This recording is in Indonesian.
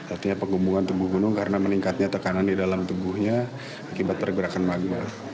artinya penggumbungan tubuh gunung karena meningkatnya tekanan di dalam tubuhnya akibat pergerakan magma